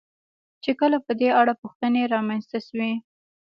چې کله په دې اړه پوښتنې را منځته شوې.